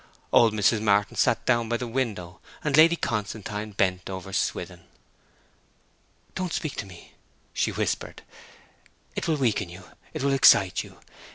Old Mrs. Martin sat down by the window, and Lady Constantine bent over Swithin. 'Don't speak to me!' she whispered. 'It will weaken you; it will excite you.